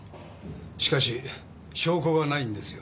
しかし証拠がないんですよ。